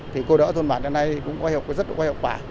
thì cô đỡ thôn bản đến nay cũng rất là có hiệu quả